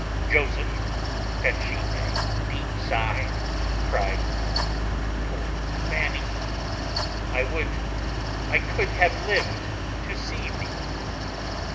Joseph, fetching a deep sigh, cried, "Poor Fanny, I would I could have lived to see thee!